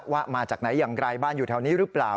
ว่ามาจากไหนอย่างไรบ้านอยู่แถวนี้หรือเปล่า